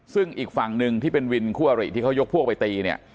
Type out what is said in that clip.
ซึ่งอีกฝั่งหนึ่งที่เป็นวินคู่อริที่เขายกพวกไปตีเนี่ย